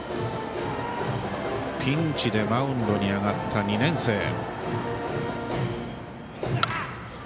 ピンチでマウンドに上がった２年生。